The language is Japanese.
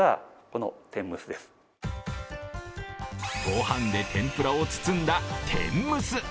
ご飯で天ぷらを包んだ天むす。